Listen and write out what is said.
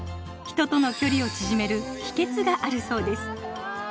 人との距離を縮める秘けつがあるそうです。